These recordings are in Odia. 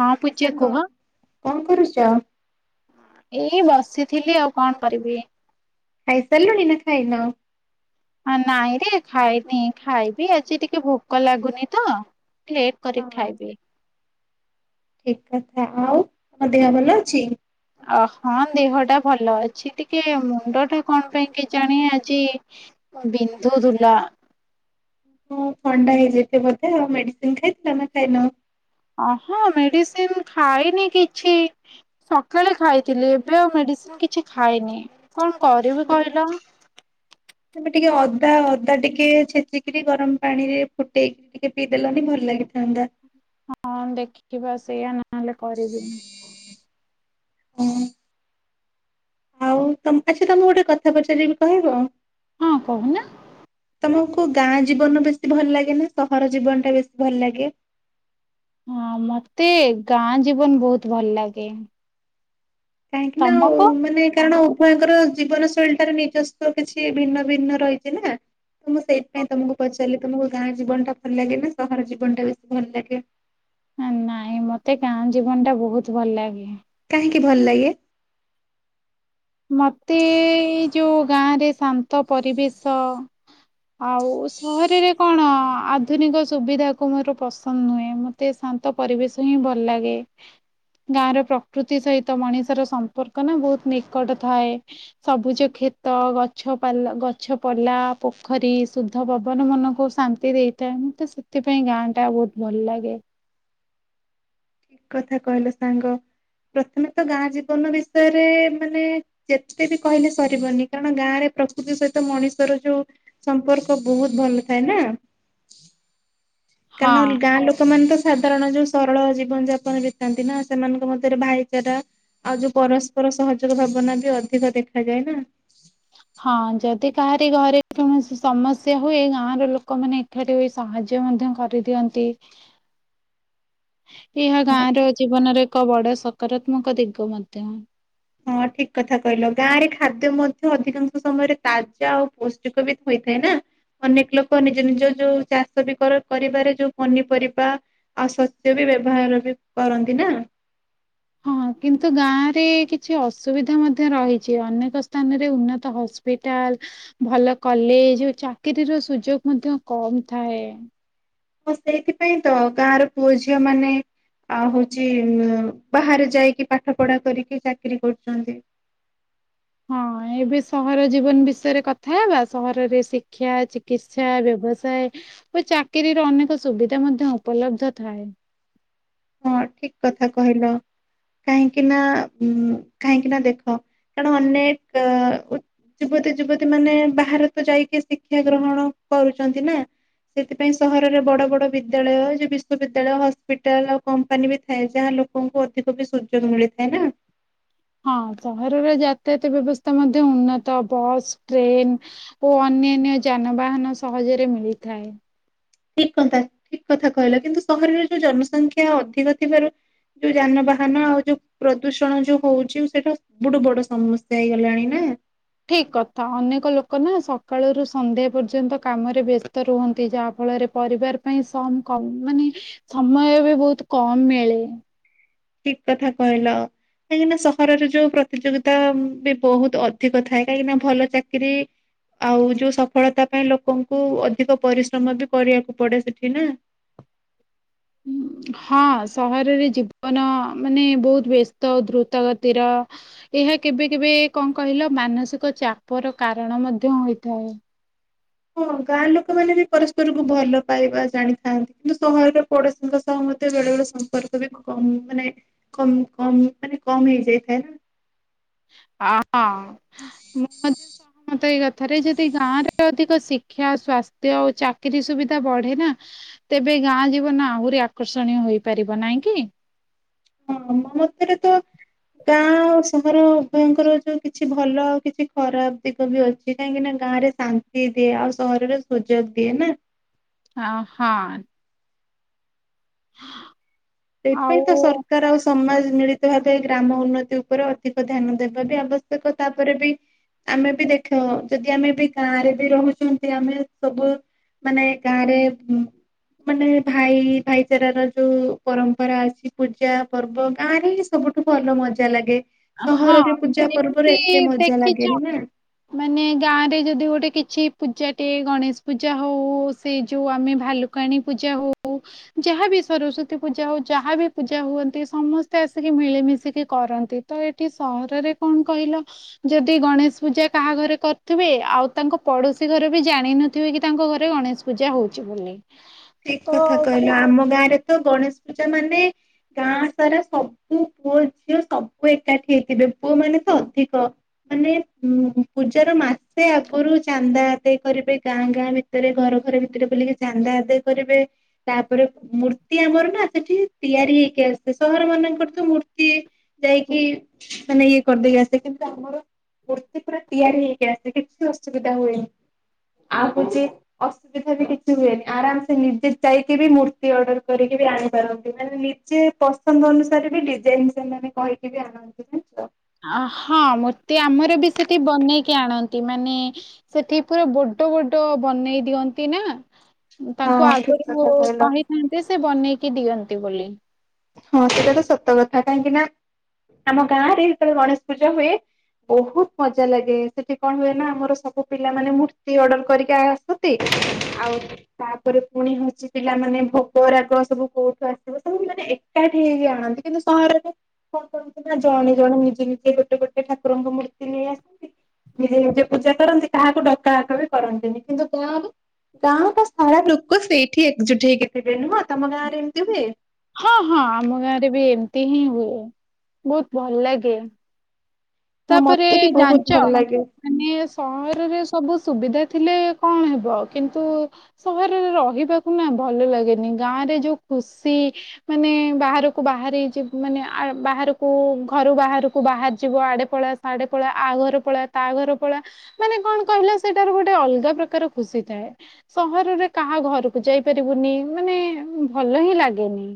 ହଁ ହେ ପୂଜା ସାଙ୍ଗ କୁହ କଣ କରୁଚ। ଏଇ ବସିଥିଲି ଆଉ କଣ କରିବି। ଖାଇ ସାରିଲଣି ନା ଖାଇନ। ହ ନାଇଁ ରେ ଖାଇନି ଖାଇବି ଆଜି ଟିକେ ଭୋକ ଲାଗୁନି ତ ଲେଟ କରିକ୍ ଖାଇବି। ଠିକ୍ କଥା ଆଉ ତମ ଦେହ ଭଲ ଅଛି। ଅ ହଁ ଦେହଟା ଭଲ ଅଛି ଟିକେ ମୁଣ୍ଡ ଟା କଣ ପାଇଁ କେ ଜାଣି ଆଜି ବିନ୍ଧୁଥୁଲା। ହଁ ଥଣ୍ଡା ହେଇଯାଇିଚି ବୋଧେ ଆଉ ମେଡିସିନ ଖାଇଥିଲ ନା ଖାଇନ। ଅହଁ ମେଡିସିନ ଖାଇନି କିଛି। ସକାଳେ ଖାଇଥିଲି ଏବେ ଆଉ ମେଡିସିନ କିଛି ଖାଇନି କଣ କରିବି କହିଲ। ଏବେ ଟିକେ ଅଦା ଅଦା ଟିକେ ଛେଚିକରି ଗରମ ପାଣିରେ ଫୁଟେଇକି ଟିକେ ପିଇଦେଲନି ଭଲ ଲାଗିଥାନ୍ତା। ହଁ ଦେଖିବା ସେଇଆ ନହେଲେ କରିବି। ହୁଁ। ଆଉ ତମ ଆଚ୍ଛା ତମକୁ ଗୋଟେ କଥା ପଚାରିବି କହିବ। ହଁ କହୁନା। ତମକୁ ଗାଁ ଜୀବନ ଟା ବେଶୀ ଭଲ ଲାଗେ ନା ସହର ଜୀବନ ଟା ବେଶୀ ଭଲ ଲାଗେ। ହଁ ମତେ ଗାଁ ଜୀବନ ବହୁତ ଭଲ ଲାଗେ। କାହିଁକି ନା ଆଉ ତମକୁ? ମାନେ କାରଣ ଉଭୟଙ୍କ ର ଜୀବନ ଶୈଳୀ ଟାରେ ନିଜସ୍ଵ କିଛି ଭିନ୍ନ ଭିନ୍ନ ରହିଛି ନା। ତ ମୁଁ ସେଇଥିପାଇଁ ତମକୁ ପଚାରିଲି ତମକୁ ଗାଁ ଜୀବନ ଟା ଭଲ ଲାଗେ ନା ସହର ଜୀବନଟା ବେଶୀ ଭଲ ଲାଗେ। ନାଇଁ ମତେ ଗାଁ ଜୀବନ ଟା ବହୁତ ଭଲ ଲାଗେ। କାହିଁକି ଭଲ ଲାଗେ। ମୋତେ ଯେଉଁ ଗାଁରେ ଶାନ୍ତ ପରିବେଶ ଆଉ ସହରରେ କଣ ଆଧୁନିକ ସୁବିଧା କୁ ମୋର ପସନ୍ଦ ନୁହେଁ ମତେ ତେ ଶାନ୍ତ ପରିବେଶ ହିଁ ଭଲ ଲାଗେ। ଗାଁ ର ପ୍ରକୃତି ସହିତ ମଣିଷର ସମ୍ପର୍କ ନା ବହୁତ ନିକଟ ଥାଏ। ସବୁଜ କ୍ଷେତ ଗଛ ପାଲ ଗଛ ପଲା ପୋଖରୀ ଶୁଦ୍ଧ ପବନ ମନକୁ ଶାନ୍ ନ୍ତି ଦେଇଥାଏ ମତେ ସେଥିପାଇଁ ଗାଁ ଟା ବହୁତ ଭଲ ଲାଗେ। ଠିକ କଥା କହିଲ ସାଙ୍ଗ ପ୍ରଥମେ ତ ଗାଁ ଜୀବନ ବିଷୟରେ ମାନେ ଯେତେ ବି କହିଲେ ସରିବନି କାରଣ ଗାଁରେ ପ୍ରକୃତି ସହିତ ମଣିଷର ଯୋଉ ସମ୍ପର୍କ ବହୁତ ଭଲ ଥାଏ ନା। ହଁ। କାରଣ ଗାଁ ଲୋକ ମାନ ତ ସାଧାରଣ ଯୋଉ ସରଳ ଜୀବନ ଯାପନ ବିତାନ୍ତି ନା ସେମାନଙ୍କ ମଧ୍ୟରେ ଭାଇଚାରା ଆଉ ଯୋଉ ପରସ୍ପର ସହଯୋଗ ଭାବନା ବି ଅଧିକ ଦେଖାାଯାଏ ନା। ହଁ ଯଦି କାହାରି ଘରେ କୌଣସି ସମସ୍ୟା ହୁଏ ଗାଁର ଲୋକମାନେ ହେଟୁ ବି ସାହାଯ୍ୟ ମଧ୍ୟ କରିଦିଅନ୍ତି। ଏହା ହଁ ଗାଁ ର ଠିକ୍ କଥା। ଜୀବନର ଏକ ବଡ ସକାରାତ୍ମକ ଦିଗ ମଧ୍ୟ। ହଁ ଠିକ କଥା କହିଲ ଗାଁରେ ଖାଦ୍ୟ ମଧ୍ୟ ଅଧିକାଂଶ ସମୟରେ ତାଜା ଆଉ ପୌଷ୍ଟିକ ବି ହୋଇଥାଏ ନା। ଅନେକ ଲୋକ ନିଜ ନିଜ ଯୋଉ ଚାଷ ବି କରିବାରେ ଯୋଉ ପନିପରିବା ଆଉ ଶସ୍ୟ ବି ବ୍ୟବହାର ବି କରନ୍ତି ନା ହଁ କିନ୍ତୁ ଗାଁ ରେ କିଛି ଅସୁବିଧା ମଧ୍ୟ ରହିଛି ଅନେକ ସ୍ଥାନରେ ଉନ୍ନତ ହସ୍ପି ହସ୍ପିଟାଲ ଭଲ କଲେଜ ଚାକିରୀର ସୁଯୋଗ ମଧ୍ୟ କମ ଥାଏ ସେଇଥିପାଇଁ ତ ଗାଁର ପୁଅ ଝିଅ ମାନେ ଆଉ ହଉଛି ବାହାରେ ଯାଇକି ପାଠ ପଢା କରିକି ଚାକିରୀ କରୁଛନ୍ତି। ହଁ ଏବେ ସହର ଜୀବନ ବିଷୟରେ କଥା ହେବା ସହରରେ ଶିକ୍ଷା ଚିକିତ୍ସା ବ୍ୟବସାୟ ଓ ଚାକିରିୀର ଅନେକ ସୁବିଧା ମଧ୍ୟ ଉପଲବ୍ଧ ଥାଏ। ହଁ ଠିକ କଥା କହିଲ। କାହିଁକି ନା ଉଁ କାହିଁକି ନା ଦେଖ କାରଣ ଅନେକ ଯୁବତୀ ଯୁବତୀ ମାନେ ବାହାର ତ ଯାଇକି ଶିକ୍ଷା ଗ୍ରହଣ କରୁଛନ୍ତି ନା ସେଥିପାଇଁ ସହରରେ ବଡ ବଡ ବିଦ୍ୟାଳୟ ଯେ ବିଶ୍ୱବିଦ୍ୟାଳୟ ହସ୍ପିଟାଲ କମ୍ପାନୀ ବି ଥାଏ ଯାହା ଲୋକଙ୍କୁ ଅଧିକ ବି ସୁଯୋଗ ମିଳିଥାଏ ନା ହଁ ସହରର ଯାତାୟାତ ବ୍ୟବସ୍ଥା ମଧ୍ୟ ଉନ୍ନତ ବସ୍ ଟ୍ରେନ୍ ଓ ଅନ୍ୟାନ୍ୟ ଯାନବାହାନ ସହଜରେ ମିଳିଥାଏ ଠିକ କଥା ଠିକ କଥା କହିଲା କିନ୍ତୁ ସହରରେ ଯୋଉ ଜନସଂଖ୍ୟା ଅଧିକ ଥିବାରୁ ଯୋଉ ଯାନବାହାନ ଆଉ ଯୋଉ ପ୍ରଦୂଷଣ ଯୋଉ ହଉଛି ସେଇଟା ସବୁଠୁ ବଡ ସମସ୍ୟା ହେଇଗଲାଣି ନା ଠିକ କଥା ଅନେକ ଲୋକ ନା ସକାଳରୁ ସନ୍ଧ୍ୟା ପର୍ଯ୍ୟନ୍ତ କାମରେ ବ୍ୟସ୍ତ ରୁହନ୍ତି ଯାହାଫଳରେ ପରିବାର ପାଇଁ ସମ କମ ମାନେ ସମୟ ବି ବହୁତ କମ ମିଳେ। ଠିକ କଥା କହିଲ। କାହିଁକିନା ସହରରେ ଯୋଉ ପ୍ରତିଯୋଗିତା ବି ବହୁତ ଅଧିକ ଥାଏ କାହିଁକିନା ଭଲ ଚାକିରି ଆଉ ଯୋଉ ସଫଳତା ପାଇଁ ଲୋକଙ୍କୁ ଅଧିକ ପରିଶ୍ରମ ବି କରିବାକୁ ପଡେ ସେଠି ନା ଉଁ, ହ ହଁ ସହରରେ ଜୀବନ ମାନେ ବହୁତ ବ୍ୟସ୍ତ ଦ୍ରୁତ ଗତିର ଏହା କେବେ କେବେ କଣ କହିଲ ମାନସିକ ଚାପ ର କାରଣ ମଧ୍ୟ ହୋଇଥାଏ ହଁ ଗାଁ ଲୋକମାନୋନ ବି ପରସ୍ପରକୁ ଭଲ ପାଇବା ଜାଣିଥାନ୍ତି କିନ୍ତୁ ସହରର ପଡୋଶୀଙ୍କ ସହ ମଧ୍ୟେ ବେଳେ ବେଳେ ସମ୍ପର୍କ ବି କମ୍ ମାନେ କ କମ ମାନେ କମ ହେଇଯାଇଥାଏ ନା ହଁ ହଁ ମୁଁ ମ ମତେ ଏଇ କଥାରେ ଯଦି ଗାଁ ରେ ଅଧିକ ଶିକ୍ଷା ସ୍ବାସ୍ଥ୍ୟ ଓ ଚାକିରିୀ ସୁବିଧା ବଢେ ନା ତେବେ ଗାଁ ଜୀବନ ଆହୁରି ଆକର୍ଷଣୀୟ ହେଇପାରିବ ନାଇଁ କି? ହଁ ମୋ ମତରେ ତ ଗାଁ ଆଉ ସହର ଉଭୟଙ୍କର ଯୋଉ କିଛି ଭଲ ଓ କିଛି ଖରାପ ଦିଗ ବି ଅଛି କାହିଁକି ନା ଗାଁ ରେ ଶାନ୍ତି ଦିଏ ଆଉ ସହରରେ ସୁଯୋଗ ଦିଏ ନା ଅ ହଁ ସେଥିପାଇଁ ତ ଆଉ ସରକାର ଆଉ ସମାଜ ମିଳିତ ଭାବେ ଗ୍ରାମ ଉନ୍ନତି ଉପରେ ଅଧିକ ଧ୍ୟାନ ଦେବା ବି ଆବଶ୍ୟକ ତାପରେ ବି ଆମେ ବି ଦେଖ ଯଦି ଆମେ ବି ଗାଁରେ ବି ରହୁଛନ୍ତି ଆମେ ସବୁ ମାନେ ଗାଁ ରେ ମାନେ ଭାଇ ଭାଇଚାର ର ଯୋଉ ପରମ୍ପରା ଅଛି ପୂଜା ପର୍ବ ଗାଁ ରେ ହିଁ ସବୁଠୁ ଭଲ ମଜା ଲାଗେ ହଁ ସହରରେ ପୂଜା ପର୍ବରେ ଏମିତି ଏତେ ମଜା ଦେଖିଛ ଲାଗେନି ନା ମାନେ ଗାଁ ରେ ଯଦି ଗୋଟେ କିଛି ପୂଜାଟିଏ ଗଣେଶ ପୂଜା ହଉ ସେ ଯୋଉ ଆମେ ଭାଲୁ କଣୀ ପୂଜା ହଉ ଯାହାବି ସରସ୍ଵତୀ ପୂଜା ହଉ ଯାହାବି ପୂଜା ହୁଅନ୍ତି ସମସ୍ତେ ଆସିକି ମିଳିମିଶିକି କରନ୍ତି ତ ଏଠି ସହରରେ କଣ କହିଲ ଯଦି ଗଣେଶ ପୂଜା କାହା ଘରେ କରୁଥିବେ ଆଉ ତାଙ୍କ ପଡୋଶୀ ଘରେ ବି ଜାଣିିନଥିବେ କି ତାଙ୍କ ଘରେ ଗଣେଶ ପୂଜା ହଉଛି ବୋଲି ଠିକ ତ କଥା କହିଲ ଆମ ଗାଁ ରେ ତ ଗଣେଶ ପୂଜା ମାନେ ଗାଁ ସାରା ସବୁ ପୁଅ ଝିଅ ସବୁ ଏକାଠି ହେଇଥିବେ ପୁଅ ମାନେ ତ ଅଧିକ ମାନେ ଉଁ ପୂଜାର ମାସେ ଆଗରୁ ଚାନ୍ଦା ଆଦାୟ କରିବେ ଗାଁ ଗାଁ ରେ ଭିତରେ ଘର ଘର ଭିତରେ ବୁଲିକି ଚାନ୍ଦା ଆଦାୟ କରିବେ। ତାପରେ ମୂର୍ତ୍ତି ଆମର ନା ସେଠି ତିଆରି ହେଇକି ଆସେ ସହର ମାନଙ୍କର ତୁ ମୂର୍ତ୍ତି ଯାଇକି ମାନେ ଇଏ କରିଦବ ସେଠି ତ ଆମର ମୂର୍ତ୍ତି ପୁରା ତିଆରି ହେଇକି ଆସେ କିଛି ଅସୁବିଧା ହୁଏନି। ଆଉ କିଚି ଅସୁବିଧା ବି କିଛି ହୁଏନି ଆରାମ ସେ ନିଜେ ଯାଇକି ବି ମୂର୍ତ୍ତି ଅର୍ଡର କରିକି ବି ଆଣିପାରନ୍ତି ମାନେ ନିଜେ ପସନ୍ଦ ଅନୁସାରେ ବି ଡିଜାଇନ ସବୁ ସେମାନେ କହିକି ବି ଆଣନ୍ତି ଠିକ୍ ତ? ଅ ହଁ ମୂର୍ତ୍ତି ଆମର ବି ସେଠି ବନେଇକି ଆଣନ୍ତି ମାନେ ସେଠି ପୁରା ବଡ଼ ବଡ଼ ବନେଇ ଦିଅନ୍ତି ନା? ତାଙ୍କୁ ହଁ ଠିକ ଆଗରୁ କଥା କହିଲ କହିଥାନ୍ତି ସେ ବନେଇକି ଦିଅନ୍ତି ବୋଲି। ହଁ ସେଇଟା ତ ସତ କଥା କାହିଁକି ନା ଆମ ଗାଁ ରେ ଯେତେବେଳେ ଗଣେଶ ପୂଜା ହୁଏ? ବହୁତ ମଜା ଲାଗେ ସେଠି କଣ ହୁଏ ନା ଆମର ସବୁ ପିଲାମାନୋନେ ମୂର୍ତ୍ତି ଅର୍ଡର କରିକି ଆ ତତେ ଆଉ ତାପରେ ପୁଣି ହଉଛି ପିଲାମାନେ ଭୋଗ ରାଗ ସବୁ କୋଉଠୁ ଆସିବ ସବୁ ମାନେ ଏକାଠି ହେଇକି ଆଣନ୍ତି କିନ୍ତୁ ସହରେ? କଣ କରନ୍ତି ନା ଜଣେ ଜଣେ ନିଜେ ନିଜେ ଗୋଟେ ଗୋଟେ ଠାକୁରଙ୍କ ମୂର୍ତ୍ତି ନେଇ ଆସନ୍ତି। ନିଜେ ନିଜେ ପୂଜା କରନ୍ତି କାହାକୁ ଡକା ହକା ବି କରନ୍ତିନି କିନ୍ତୁ ଗାଁରେ ଗାଁ ତ ସାରା ଲୋକ ସେଇଠି ଏକଜୁଟ ହେଇକି ଥିବେ ନୁହଁ ତମ ଗାଁ ରେ ଏମିତି ହୁଏ? ହଁ ହଁ ଆମ ଗାଁ ରେ ବି ଏମିତି ହିଁ ହୁଏ ବହୁତ ଭଲ ଲାଗେ। ହଁ ତାପରେ ମତେ ବି ବହୁତ ଜାଣିଛ? ଭଲ ଲାଗେ। ମାନେ ସହରରେ ସବୁ ସୁବିଧା ଥିଲେ କଣ ହେବ କିନ୍ତୁ ସହରରେ ରହିବାକୁ ନା ଭଲ ଲାଗେନି ଗାଁରେ ଯୋଉ ଖୁସି। ମାନେ ବାହାରକୁ ବାହାର ଯିବ ମାନେ ବାହାରକୁ ଘରୁ ବାହାରକୁ ବାହାରି ଯିବ ଆଡେ। ପଳା ସାଢେ ପଳା ଆ ଘର ପଳା ତା ଘର ପଳା। ମାନେ କଣ କହିଲା ସେଇଟାରୁ ଗୋଟେ ଅଲଗା ପ୍ରକାର ଖୁସି ଥାଏ। ସହରରେ କାହା ଘରକୁ ଯାଇପାରିବୁନି ମାନେ ଭଲ ହିଁ ଲାଗେନି।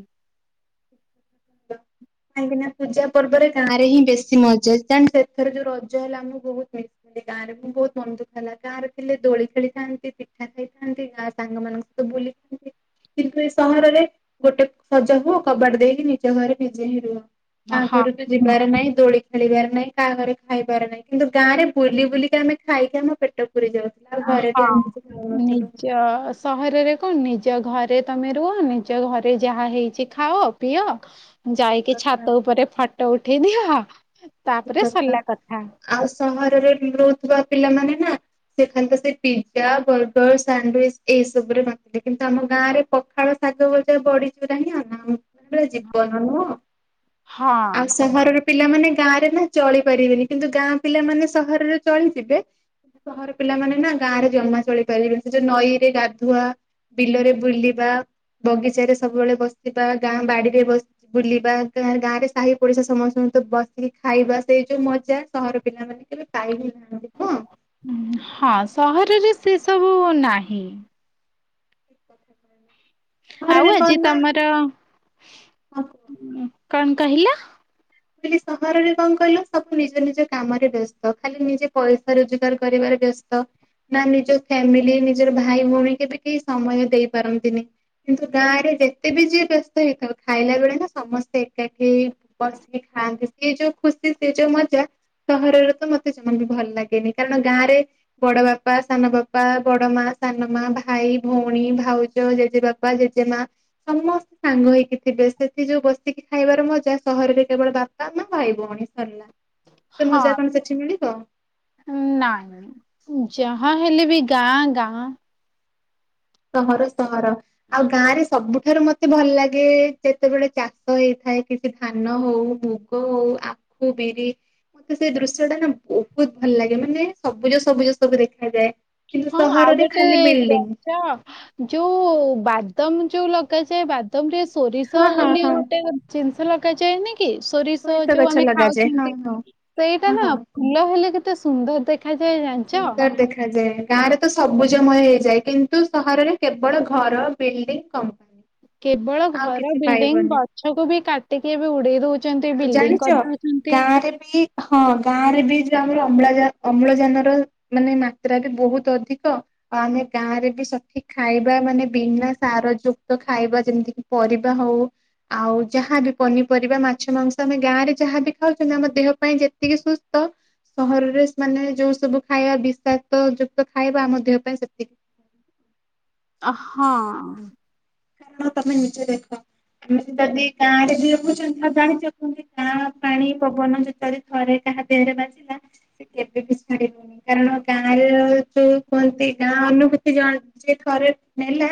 କାହିଁକି ନା ପୂଜା ପର୍ବରେ ଗାଁରେ ହିଁ ବେଶୀ ମଜା କାରଣ ସେଥର ଯୋଉ ରଜ ହେଲା ମୁଁ ବହୁ ମିଥିଲି ଗାଁରେ ମୁଁ ବହୁତ ମନ ଦୁଃଖ ହେଲା। ଗାଁରେ ଥିଲେ ଦୋଳି ଖେଳିଥାନ୍ତି ପିଠା ଖାଇଥାନ୍ତି ଗାଁ ସାଙ୍ଗମାନାନଙ୍କ ସହିତ ବୁଲିଥାନ୍ତି। କିନ୍ତୁ ଏ ସହରରେ ଗୋଟେ ସଜା ହୁଅ କବାଟ ଦେଇକି ନିଜ ଘରେ ବିନ୍ ହଁ ଆହାଁ ଘର ବି ଯିବାର ନାହିଁ ଦୋଳି ଖେଳିବାର ନାହିଁ। କାହା ଘରେ ଖାଇବାର ନାହିଁ। କିନ୍ତୁ ଗାଁରେ ବୁ ବୁଲିକି ଆମେ ଖାଇକି ଆମ ପେଟକୁ ପୁରେଇ ଦିଅ ଆମ ଆଉ ଘରେ ହଁ। ବି ଏମିତି ଖାଉନଥିଲୁ। ନିଜ ଠିକ ସହରରେ କଣ ନିଜ ଘରେ ତମେ ରୁହ ନିଜ ଘରେ ଯାହା ହେଇଛି ଖାଅ ପିଅ। ଯାଇକି କଥା ଛାତ ଉପରେ ଫଟୋ ଉଠେଇ ଦିଅ ତାପରେ ସରିଲା କଥା। ଆଉ ସହରରେ ରହୁଥିବା ପିଲାମାନେ ନା ସେ ଖାଲି ତ ସେ ପିଜା ବର୍ଗର ସାଣ୍ଡଉଇଚ ଏଇ ସବୁରେ ମାତିଲେ। କିନ୍ତୁ ଆମ ଗାଁ ରେ ପଖାଳ ଶାଗ ବଜା ବଡି ଚୁରା ହିଁ ଅନାଉ। ପୁରା ଜୀବନ ନୁହଁ ହଁ ଆଉ ସହରର ପିଲାମାନେ ଗାଁ ରେ ନା ଚଳି ପାରିବେନି, କିନ୍ତୁ ଗାଁ ପିଲାମାନେ ସହରରେ ଚଳିଯିବେ। ସହର ପିଲାମାନେ ନା ଗାଁ ରେ ଜମା ଚଳିପାରିବେନି। ସେ ଯୋଉ ନଈ ରେ ଗାଧୁଆ ବିଲରେ ବୁଲିବା ବଗିଚା ରେ ସବୁବେଳେ ବସିବା ଗାଁ ବାଡିରେ ବସ ବୁଲିବା ଗାଁ ରେ ସାହି ପଡିଶା ସମସ୍ତଙ୍କୁ ତ ବ କି ଖାଇବା ସେଇ ଯୋଉ ମଜା ସହର ପିଲାମାନେ କେବେ ପାଇ ହି ନାହାନ୍ତି ନା। ହଁ ସହରରେ ସେ ସବୁ ନାହିଁ। ଠିକ୍ କଥା। ଆଉ ଆଜି ତମର ହଁ କଣ କହିଲ? ସହରରେ କଣ କହିଲ ସବୁ ନିଜ ନିଜ କାମରେ ବ୍ୟସ୍ତ ଖାଲି ନିଜେ ପଇସା ରୋଜଗାର କରିବାରେ ବ୍ୟସ୍ତ। ନା ନିଜ ଫ୍ୟାମିଲି ନିଜର ଭାଇ ଭଉଣୀ କେ ବି କେହି ସମୟ ଦେଇପାରନ୍ତିନି। କିନ୍ତୁ ଗାଁରେ ଯେତେବି ଯିଏ ବ୍ୟସ୍ତ ହେଇଥାଉ ଖାଇଲା ବେଳେ ନା ସମସ୍ତେ ଏକାଠି ହେଇ ବସି ଖାଆନ୍ତି ସେ ଯୋଉ ଖୁସି ସେ ଯୋଉ ମଜା ସହରରେ ତ ମତେ ଜମା ବି ଭଲ ଲାଗେନି କାରଣ ଗାଁରେ ବଡବାପା ସାନବାପା ବଡମା ସାନମା ଭାଇ ଭଉଣୀ ଭାଉଜ ଜେଜେବାପା ବାପା ଜେଜେମା ସମସ୍ତେ ସାଙ୍ଗ ହେଇକି ଥିବେ ସେଥି ଯୋଉ ବସିକି ଖାଇବାର ମଜା ସହରରେ କେବଳ ବାପା ମା ଭାଇ ଭଉଣୀ ସରିଲା ସେ ହଁ ମଜା କଣ ସେଠି ମିଳିବ? ନାଇଁ ଯାହା ହେଲେ ବି ଗାଁ ଗାଁ। ସହର ସହର ଆଉ ଗାଁ ରେ ସବୁଠାରୁ ମତେ ମତେ ଭଲ ଲାଗେ ଯେତେବେଳେ ଚାଷ ହେଇଥାଏ କିଛି ଧାନ ହଉ ମୁଗ ହଉ ମୁଗ ବିରି। ସେଇ ଦୃଶ୍ୟ ଟା ନା ବହୁତ ଭଲଲାଗେ ମାନେ ସବୁଜ ସବୁଜ ସବୁ ଦେଖାଯାଏ। କିନ୍ତୁ ହଁ ଆଉ ସହରରେ ଗୋଟେ ଖାଲି ବିଲ୍ଡିଂ ଜାଣିଛ ଯୋଉ ବାଦମ ଯୋଉ ଲଗାଯାଏ ବାଦମରେ ସୋରିଷ ହଁ ହଁ ବୋଲି ହଁ ଗୋଟେ ଜିନିଷ ଲଗାଯାଏନି କି ସୋରିଷ ଯୋଉ ଗଛ ଆମେ ଲଗାଯାଏ ହଁ ଖାଉଛନ୍ତି ହଁ ସେଇଟା ହଁ ନା ହଁ। ଫୁଲ ହେଲେ କେତେ ସୁନ୍ଦର ଦେଖ ଦେଖାଯାଏ ଜାଣିଚ। ସୁନ୍ଦର ଦେଖାଯାଏ। ଗାଁରେ ତ ସବୁଜମୟ ହେଇଯାଏ କିନ୍ତୁ ସହରରେ କେବଳ ଘର ବିଲ୍ଡିଙ୍ଗ କମ୍ପ କେବଳ ଘର ବିଲ୍ଡିଙ୍ଗ ଗଛକୁ ବି କାଟିକି ଏ ବି ଉଡେଇ ଦଉ ଆଉ ଜାଣିଛ ଗାଁରେ ବି ହଁ ଗାଁ ରେ ବି ଯଉ ଆମର ଅମ୍ଳଜ ଅମ୍ଳଜାନର ମାନେ ମାତ୍ରା ବି ବହୁତ ଅଧିକ। ଆଉ ଆମେ ଗାଁ ରେ ବି ସଠିକ ଖାଇବା ମାନେ ବିନା ସାର ଯୁକ୍ତ ଖାଇବା ଯେମିତିକି ପରିବା ହଉ ଆଉ ଯାହାବି ପନିପରିବା ମା ମାଛ ମାଂସ ଆମେ ଗାଁରେ ଯାହା ବି ଖାଉଛନ୍ତି ଆମ ଦେହ ପାଇଁ ଯେତିକି ସୁସ୍ଥ ସହରରେ ମାନେ ଯୋଉ ସବୁ ଖାଇବା ବିଷାକ୍ତ ଯୁକ୍ତ ଖାଇବା ଆମ ଦେହ ପାଇଁ ସେତିକି ଅ ହଁ। ତମେ ନିଜେ ଦେଖ। ଆମେ ଯଦି ଗାଁ ରେ ବି ରହୁଛନ୍ତି ଆଉ ଜାଣିଛନ୍ତି ଗାଁ ପାଣି ପବନ ଯେତବେଳେ ଥରେ ଯାହା ଦେହରେ ବାଜିଲା ସେ କେବେ ବି ଛାଡିବନି। କାରଣ ଗାଁରେ ରହୁ ଯୋଉ କୁହନ୍ତି ଗାଁ ଅନୁଭୂତି ଯିଏ ଥରେ ନେଲା।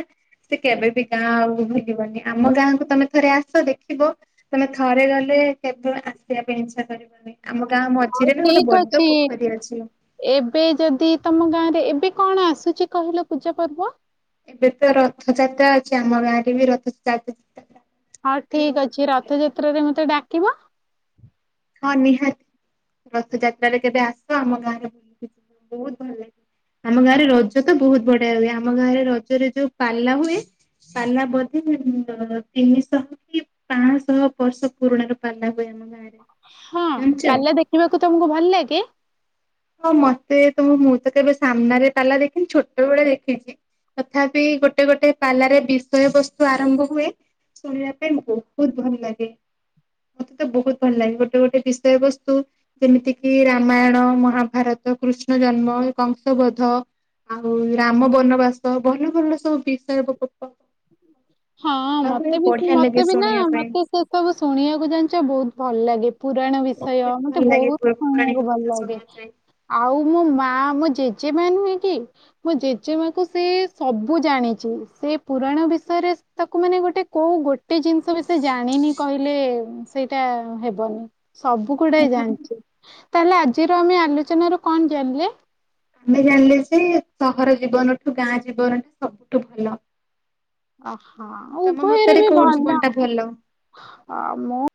ସେ କେବେବି ଗାଁ ଆଉ ଭୁଲିବନି ଆମ ଗାଁକୁ ତମେ ଥରେ ଆସ ଦେଖିବ। ତମେ ଥରେ ଗଲେ କେବେ ଆସିବା ପାଇଁ ଇଚ୍ଛା କରିବନି। ଆମ ଗାଁ ହଉ ମଝିରେ ବି ଗୋଟେ ଠିକ ବଡ ଅଛି ପୋଖରୀ ଅଛି। ଏବେ ଯଦି ତମ ଗାଁରେ ଏବେ କଣ ଆସୁଛି କହିଲ ପୂଜାପର୍ବ? ଏବେତ ରଥଯାତ୍ରା ଅଛି ଆମ ଗାଁ ରେ ବି ରଥଯାତ ହଉ ଠିକ ଅଛି ରଥଯାତ୍ରରେ ମତେ ଡାକିବ। ହଁ ନିହାତି ରଥଯାତ୍ରାରେ କେବେ ଆସ ଆମ ଗାଁରେ ବୁଲ ଯିବ ବହୁତ ଭଲ ଲାଗିବ। ଆମ ଗାଁରେ ରଜ ତ ବହୁତ ବଢିଆ ହୁଏ ଆମ ଗାଁରେ ରଜରେ ଯୋଉ ପାଲା ହୁଏ। ପାଲା ବୋଧେ ତିନିଶହ କି ପାଁଶହ ବର୍ଷ ପୁରୁଣାର ପାଲା ହୁଏ ଆମ ଗାଁରେ। ହଁ ଜାଣିଛ? ପାଲା ଦେଖିବାକୁ ତମକୁ ଭଲ ଲାଗେ? ହଁ ମତେ ତ ମୁଁ ମୁଁ ତ କେବେ ସାମ୍ନାରେ ପାଲା ଦେଖିନି ଛୋଟବେଳେ ଦେଖିଛି। ତଥାପି ଗୋଟେ ଗୋଟେ ପାଲାର ରେ ବିଷୟ ବସ୍ତୁ ଆରମ୍ଭ ହୁଏ ଶୁଣିବା ପାଇଁ ବହୁତ ଭଲଲାଗେ। ମତେ ତ ବହୁତ ଭଲ ଲାଗେ ଗୋଟେ ଗୋଟେ ବିଷୟ ବସ୍ତୁ ଯେମିତି କିି ରାମାୟଣ ମହା ଭାରତ କୃଷ୍ଣ ଜନ୍ମ କଂସବଧ ଆଉ ରାମ ବନବାସ ଭଲ ଭଲ ସବୁ ବିଷୟ [unintelligible] ହଁ ହୁଏ ମତେବି ସେ ବଢିଆ ଲାଗେ ମତେବି ନା ଶୁଣିବା ପାଇଁ ମତେ ସେସବୁ ଶୁଣିବାକୁ ଜାଣିଛ ବହୁତ ଭଲଲାଗେ। ପୁରାଣ ବିଷୟ ବହୁତ ଭଲ ମତେ ଲାଗେ ବହୁତ ପୌରାଣିକ ଶୁଣିବାକୁ ଭଲ କଥା ଲାଗେ। ଶୁଣିବା ପାଇଁ ଆଉ ମୋ ମା ମୋ ଜେଜେମା ନୁହେଁ କି ମୋ ଜେଜେମା କୁ ସେ ସବୁ ଜାଣିଛି ସେ ପୁରାଣ ବିଷୟରେ ତାକୁ ମାନେ ଗୋଟେ କଉ ଗୋଟେ ଜିନିଷ ବି ସେ ଜାଣିନି କହିଲେ ସେଇଟା ହେବନି। ସବୁ ଗୁଡାଏ ଜାଣିଛି ତାହେଲେ ଆଜିର ଆମେ ଆଲୋଚନ ରୁ କଣ ଜାଣିଲେ? ଆମେ ଜାଣିଲେ ଯେ ସହର ଜୀବନଠୁ ଗାଁ ଜୀବନ ଟା ସବୁଠୁ ଭଲ। ଅ ହ ତମ ଉଭୟରେ ମତରେ ବି କୋଉ ଜୀବନ ଭଲ ଟା ଭଲ? ଅ ମୁଁ